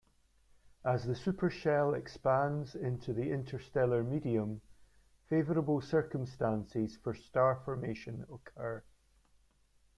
As the supershell expands into the interstellar medium, favorable circumstances for star formation occur.